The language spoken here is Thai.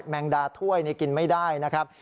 แมงดาถ้วยกินไม่ได้นะครับ